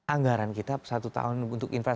anggaran kita satu tahun untuk infrastruktur